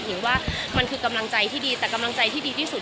หรือว่ามันคือกำลังใจที่ดีแต่กำลังใจที่ดีที่สุด